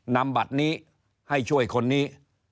นำบัตรนี้ให้ช่วยคนนี้